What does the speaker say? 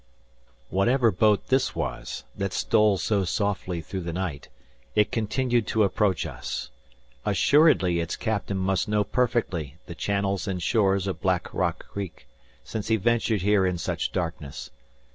Whatever boat this was, that stole so softly through the night, it continued to approach us. Assuredly its captain must know perfectly the channels and shores of Black Rock Creek, since he ventured here in such darkness.